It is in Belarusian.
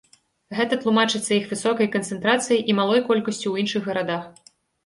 Гэта тлумачыцца іх высокай канцэнтрацыяй і малой колькасцю ў іншых гарадах.